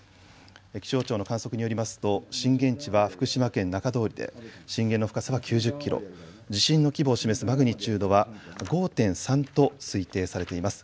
気象庁の観測によりますと震源地は福島県中通りで震源の深さは９０キロ、地震の規模を示すマグニチュードは５．３と推定されています。